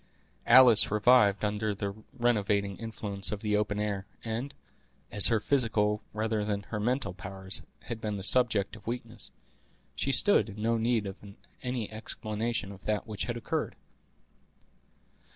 Alice revived under the renovating influence of the open air, and, as her physical rather than her mental powers had been the subject of weakness, she stood in no need of any explanation of that which had occurred.